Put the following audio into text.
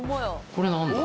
これ何だ？